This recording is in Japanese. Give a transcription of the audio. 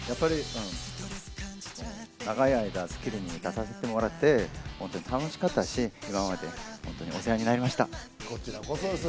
長い間、『スッキリ』に出させてもらって本当に楽しかったし、今まで本当にお世話になりました。